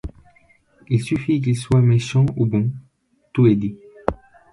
Il suffit Qu’il soit méchant ou bon ; tout est dit.